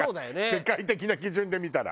世界的な基準で見たら。